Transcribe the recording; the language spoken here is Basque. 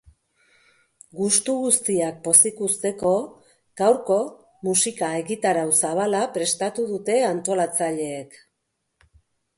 Gustu guztiak pozik uzteko, gaurko, musika egitarau zabala prestatu dute antolatzaileek.